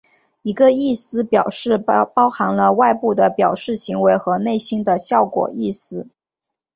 一个意思表示包含了外部的表示行为和内心的效果意思。